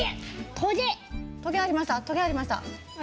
トゲありました？